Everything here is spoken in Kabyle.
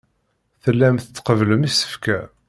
Tellam tqebblem isefka.